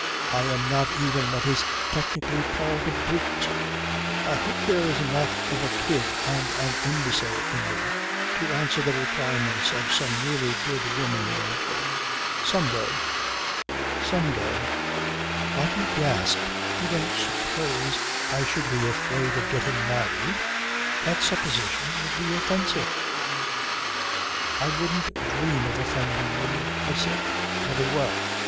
I am not even what is technically called "a brute." I hope there's enough of a kid and an imbecile in me to answer the requirements of some really good woman eventually some day ... Some day. Why do you gasp? You don't suppose I should be afraid of getting married? That supposition would be offensive ..." "I wouldn't dream of offending you," I said. "Very well.